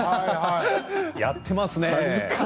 やってますね。